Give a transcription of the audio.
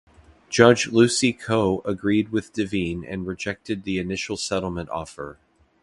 Judge Lucy Koh agreed with Devine and rejected the initial settlement offer.